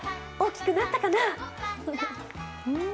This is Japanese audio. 大きくなったかなぁ。